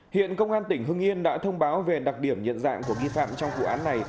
hiện công an tỉnh hưng yên đã thông báo về đặc điểm nhận dạng của nghi phạm trong vụ án này